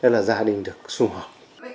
là gia đình được xung họp